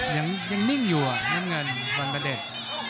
ยังนิ่งอยู่น้ำเงินวันพระเด็ด